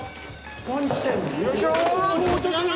何してんの？